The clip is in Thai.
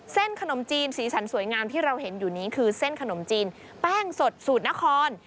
ขนมจีนสีสันสวยงามที่เราเห็นอยู่นี้คือเส้นขนมจีนแป้งสดสูตรนคร